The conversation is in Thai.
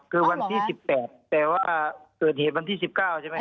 คือวันที่๑๘แต่ว่าเกิดเหตุวันที่๑๙ใช่ไหม